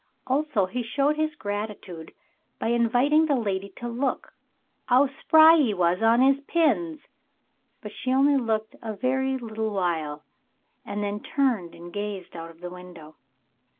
Also he showed his gratitude by inviting the lady to look "'ow spry 'e was on 'is pins," but she only looked a very little while, and then turned and gazed out of the window.